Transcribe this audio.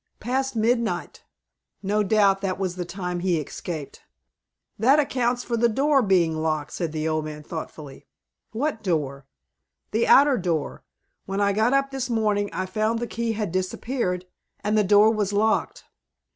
"Past midnight." "No doubt that was the time he escaped." "That accounts for the door being locked," said the old man, thoughtfully. "What door?" "The outer door. When I got up this morning, I found the key had disappeared, and the door was locked.